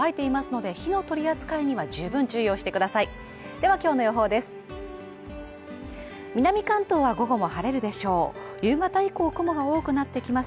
では今日の予報です。